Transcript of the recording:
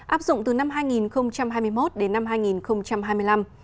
áp dụng từ năm hai nghìn hai mươi một đến năm hai nghìn hai mươi năm